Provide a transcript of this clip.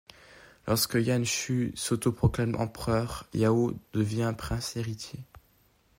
Lorsque Yuan Shu s'auto-proclame empereur, Yao devient prince héritier.